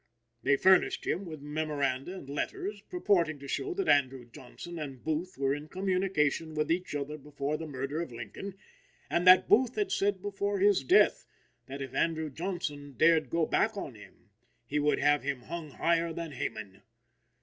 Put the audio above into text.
They furnished him with memoranda and letters purporting to show that Andrew Johnson and Booth were in communication with each other before the murder of Lincoln, and that Booth had said before his death that if Andrew Johnson dared go back on him he would have him hung higher than Haman.